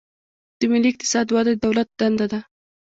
د ملي اقتصاد وده د دولت دنده ده.